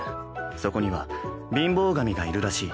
そこには貧乏神がいるらしい。